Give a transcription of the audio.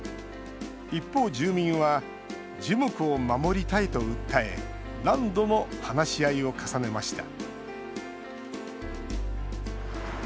一方、住民は樹木を守りたいと訴え何度も話し合いを重ねました